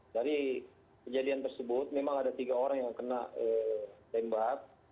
dari kejadian tersebut memang ada tiga orang yang kena tembak